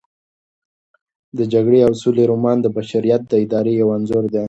د جګړې او سولې رومان د بشریت د ارادې یو انځور دی.